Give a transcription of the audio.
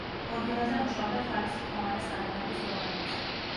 გორგილაძე მუშაობდა თვალის რქოვანას გადანერგვის პრობლემებზე.